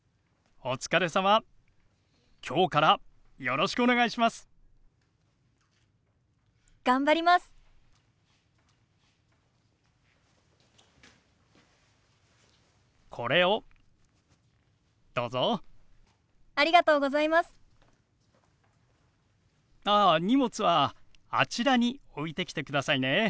ああ荷物はあちらに置いてきてくださいね。